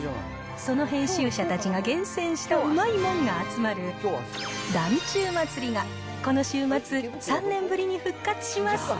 その編集者たちが厳選したうまいもんが集まる、ダンチュウ祭が、この週末、３年ぶりに復活します。